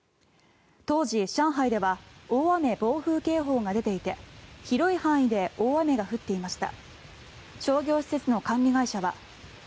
当時、上海では大雨・暴風警報が出ていて広い範囲で大雨が降っていました。